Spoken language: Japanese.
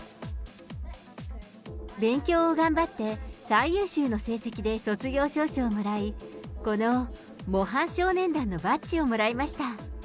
勉強を頑張って、最優秀の成績で卒業証書をもらい、この模範少年団のバッジをもらいました。